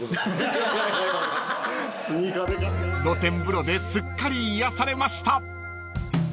［露天風呂ですっかり癒やされました］